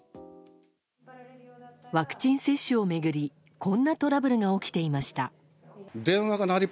ワクチン接種を巡りこんなトラブルが起きていました。